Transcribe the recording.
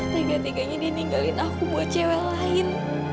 tega teganya ditinggalin aku buat cewek lain